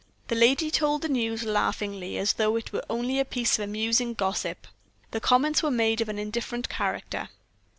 The lady told the news laughingly, as though it were only a piece of amusing gossip. The comments made were of an indifferent character.